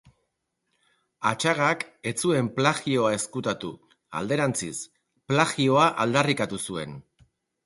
Atxagak ez zuen plagioa ezkutatu, alderantziz, plagioa aldarrikatu zuen.